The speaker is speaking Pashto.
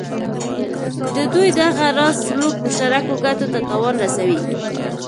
د دوی دغه راز سلوک مشترکو ګټو ته تاوان رسوي.